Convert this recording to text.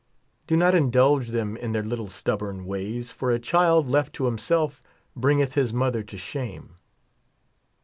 Do not in dulge them in their little stubborn ways ; for a child left to himself bringeth his mother to shame.